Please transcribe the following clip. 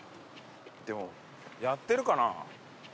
でもやってるかな？